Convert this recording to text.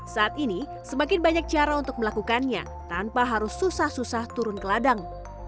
saat ini semakin banyak cara untuk melakukannya tanpa harus susah susah turun ke ladang